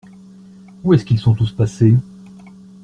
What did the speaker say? Où est-ce qu’ils sont tous passés?